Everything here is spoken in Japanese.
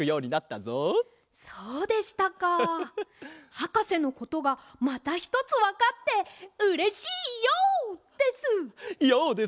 はかせのことがまたひとつわかってうれしいＹＯです！